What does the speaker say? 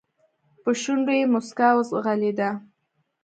په شونډو يې موسکا وځغلېده.